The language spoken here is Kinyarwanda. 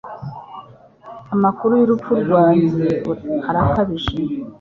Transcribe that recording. Amakuru y'urupfu rwanjye arakabije.